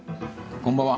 こんばんは。